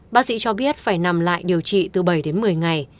bác sĩ cho biết phải nằm lại điều trị từ bảy đến một mươi ngày